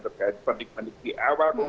terkait pemerintah di awal